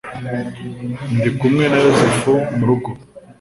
ndi kumwe na yozefu mu rugo